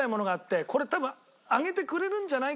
これ多分上げてくれるんじゃないかな